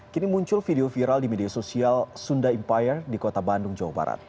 kini muncul video viral di media sosial sunda empire di kota bandung jawa barat